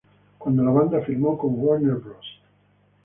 Cuando la banda firmó con Warner Bros.